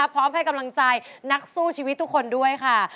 พร้อมให้กำลังใจนักสู้ชีวิตทุกคนด้วยค่ะ